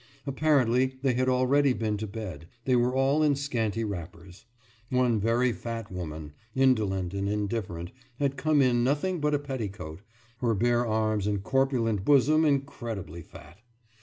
Apparently they had already been to bed; they were all in scanty wrappers; one very fat woman, indolent and indifferent, had come in nothing but a petticoat, her bare arms and corpulent bosom incredibly fat.